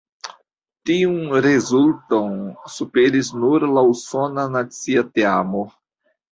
Tiun rezulton superis nur la usona nacia teamo.